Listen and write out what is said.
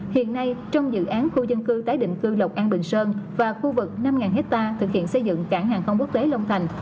hiện nay trong dự án khu dân cư tái định cư lộc an bình sơn và khu vực năm ha thực hiện xây dựng cảng hàng không quốc tế long thành